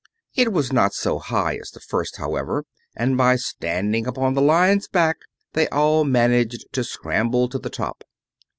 It was not so high as the first, however, and by standing upon the Lion's back they all managed to scramble to the top.